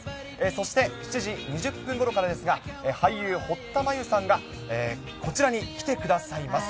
そして７時２０分ごろからですが、俳優、堀田真由さんが、こちらに来てくださいます。